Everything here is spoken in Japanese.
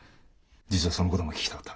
実はその事も聞きたかった。